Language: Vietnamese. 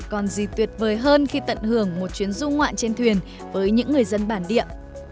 còn gì tuyệt vời hơn khi tận hưởng một chuyến du ngoạn trên thuyền với những người dân bản địa